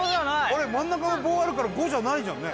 あれ真ん中の棒あるから５じゃないじゃんね。